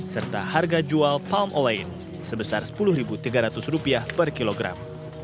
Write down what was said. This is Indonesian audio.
serta harga jual palm owain sebesar rp sepuluh tiga ratus per kilogram